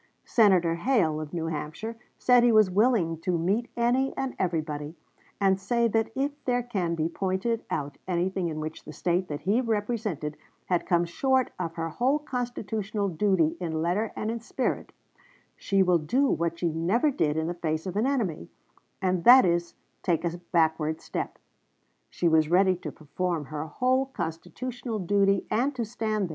Senator Hale, of New Hampshire, said he was willing to meet any and everybody and say that if there can be pointed out anything in which the State that he represented had come short of her whole constitutional duty in letter and in spirit, she will do what she never did in the face of an enemy, and that is take a backward step. She was ready to perform her whole constitutional duty, and to stand there.